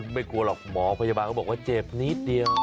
ไม่กลัวหรอกหมอพยาบาลเขาบอกว่าเจ็บนิดเดียว